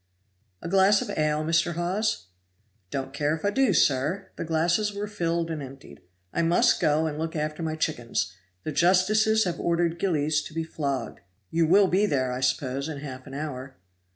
"A glass of ale, Mr. Hawes?" "I don't care if I do, sir." (The glasses were filled and emptied.) "I must go and look after my chickens; the justices have ordered Gillies to be flogged. You will be there, I suppose, in half an hour."